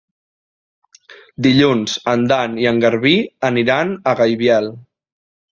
Dilluns en Dan i en Garbí aniran a Gaibiel.